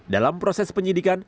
dalam proses penyidikan